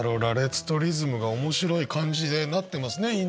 羅列とリズムが面白い感じでなってますね。